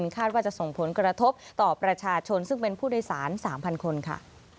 คาดว่าจะส่งผลกระทบต่อประชาชนซึ่งเป็นผู้โดยสาร๓๐๐คนค่ะ